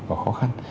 và khó khăn